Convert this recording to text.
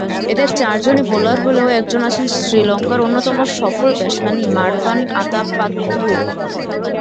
এদের চারজনই বোলার হলেও একজন আছেন শ্রীলঙ্কার অন্যতম সফল ব্যাটসম্যান মারভান আতাপাত্তুও।